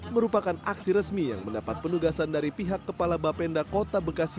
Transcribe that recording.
merupakan aksi resmi yang mendapat penugasan dari pihak kepala bapenda kota bekasi